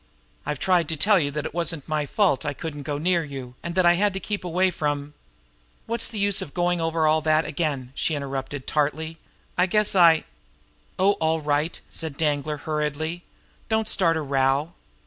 I've tried to tell you that it wasn't my fault I couldn't go near you, and that I had to keep away from " "What's the use of going over all that again?" she interrupted tartly. "I guess I " "Oh, all right!" said Danglar hurriedly. "Don't start a row!